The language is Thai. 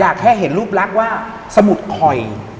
อยากแค่เห็นรูปล่างว่าสมุดหอย